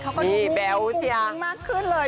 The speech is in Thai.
เขาก็ดูกุ้งมากขึ้นเลย